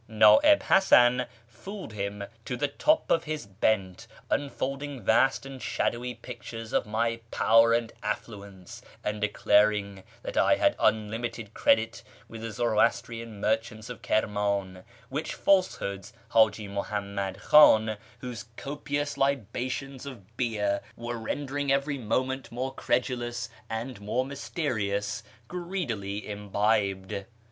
Na'ib Hasan fooled him to the top of his bent, unfolding vast and shadowy pictures of my power and affluence, and declaring that I had unlimited credit with the Zoroastrian merchants of Kirman ; which falsehoods Haji Muhammad Khan (whom copious liba tions of beer were rendering every moment more credulous and more mysterious) greedily imbibed.